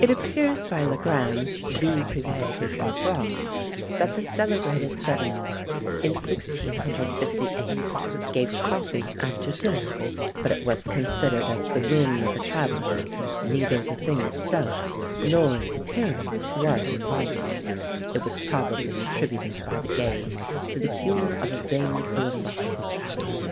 It appears by Le Grand's "Vie privée des François," that the celebrated Thevenot, in 1658, gave coffee after dinner; but it was considered as the whim of a traveller; neither the thing itself, nor its appearance, was inviting: it was probably attributed by the gay to the humour of a vain philosophical traveller.